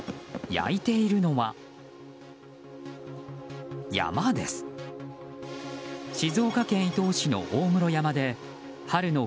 焼いているのは、山です。